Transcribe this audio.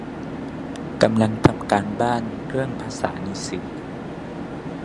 กำลังทำการบ้าน เรื่องภาษาในสื่อ